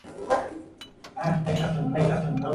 En menos de dos semanas consiguió empleo.